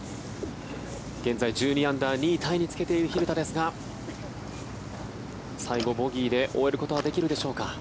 現在１２アンダー２位タイにつけている蛭田ですが最後、ボギーで終えることはできるでしょうか。